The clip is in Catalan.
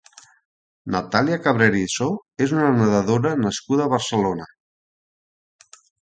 Natalia Cabrerizo és una nedadora nascuda a Barcelona.